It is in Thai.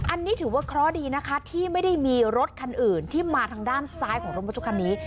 อันนี้ถือว่าเคราะห์ดีนะคะที่ไม่ได้มีรถคันอื่นที่มาทางด้านซ้ายของรถบรรทุกคันนี้